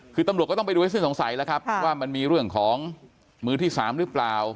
คือตำรวจก็ต้องไปดูให้สิ้นสงสัยแล้วครับว่ามันมีเรื่องของมือที่๓หรือเปล่า